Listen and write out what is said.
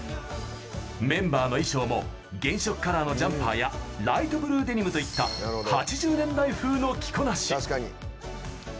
メンバーの衣装も原色カラーのジャンパーやライトブルーデニムといった８０年代風の着こなし。